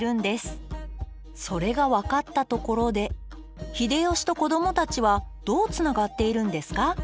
それが分かったところで秀吉と子どもたちはどうつながっているんですか？